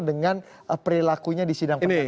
dengan perilakunya di sidang pertama